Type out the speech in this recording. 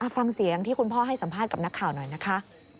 ฟังเสียงที่คุณพ่อให้สัมภาษณ์กับนักข่าวหน่อยนะคะ